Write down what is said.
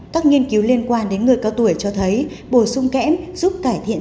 các nghiên cứu liên quan đến người cao tuổi cho thấy bổ sung kẽm giúp cải thiện